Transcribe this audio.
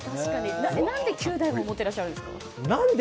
何で９台も持っていらっしゃるんですか？